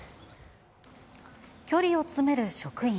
距離を詰める職員。